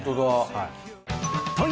はい。